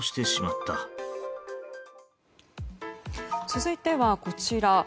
続いてはこちら。